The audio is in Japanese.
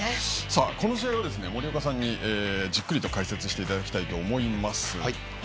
今週は、森岡さんにじっくりと解説ていただきたいと思います。